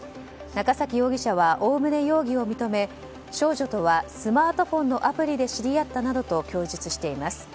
中崎容疑者はおおむね容疑を認め少女とはスマートフォンのアプリで知り合ったなどと供述しています。